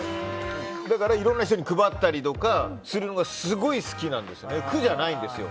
だからいろいろな人に配ったりとかするのがすごい好きなんです苦じゃないんですよ。